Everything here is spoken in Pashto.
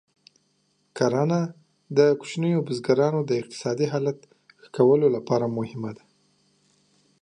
کرنه د کوچنیو بزګرانو د اقتصادي حالت ښه کولو لپاره مهمه ده.